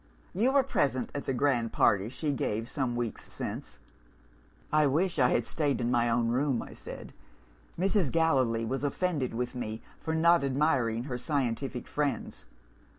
You were present at the grand party she gave some week's since?' "'I wish I had stayed in my own room,' I said. 'Mrs. Gallilee was offended with me for not admiring her scientific friends.